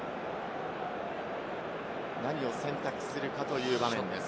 何を選択するかという場面です。